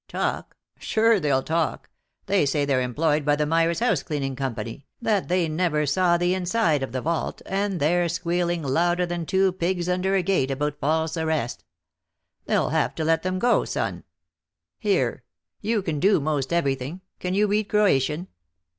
"Talk? Sure they'll talk. They say they're employed by the Myers Housecleaning Company, that they never saw the inside of the vault, and they're squealing louder than two pigs under a gate about false arrest. They'll have to let them go, son. Here. You can do most everything. Can you read Croatian?